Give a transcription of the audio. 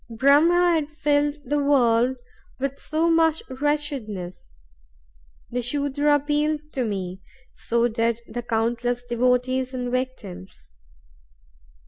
Brahm had filled the world with so much wretchedness. The Sudra appealed to me, so did the countless devotees and victims.